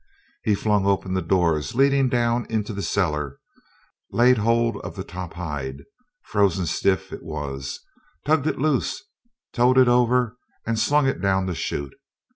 He flung open the doors leading down into the cellar, laid hold of the top hide, frozen stiff it was, tugged it loose, towed it over, and slung it down the chute.